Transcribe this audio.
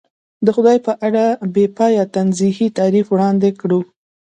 د خدای په اړه بې پایه تنزیهي تعریف وړاندې کړو.